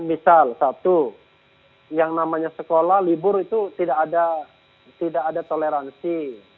misal satu yang namanya sekolah libur itu tidak ada toleransi